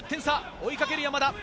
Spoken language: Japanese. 追いかける、山田。